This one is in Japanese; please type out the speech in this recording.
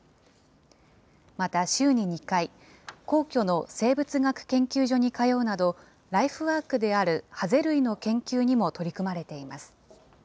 また、週に２回、皇居の生物学研究所に通うなど、ライフワークであるハゼ類の研究にも取り組まれています。